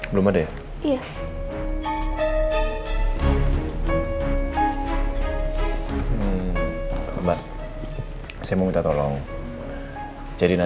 belum ada ya